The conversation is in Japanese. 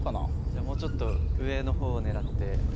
じゃもうちょっと上の方を狙って。